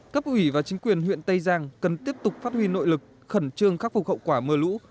cấp ủy và chính quyền huyện tây giang cần tiếp tục phát huy nội lực khẩn trương khắc phục hậu quả mưa lũ